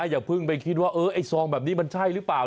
อย่าเพิ่งไปคิดว่าไอ้ซองแบบนี้มันใช่หรือเปล่า